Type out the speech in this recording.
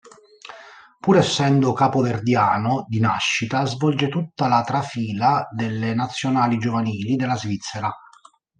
Pur essendo capoverdiano di nascita, svolge tutta la trafila delle nazionali giovanili della Svizzera.